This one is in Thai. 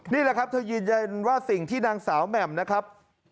นี่แหละครับเธอยืนยันว่าสิ่งที่นางสาวแหม่มนะครับ